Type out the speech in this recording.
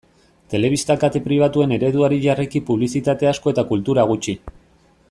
Telebista kate pribatuen ereduari jarraiki publizitate asko eta kultura gutxi.